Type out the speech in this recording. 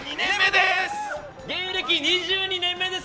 芸歴２２年目です。